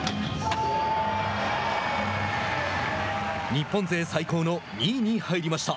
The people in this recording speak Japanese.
日本勢最高の２位に入りました。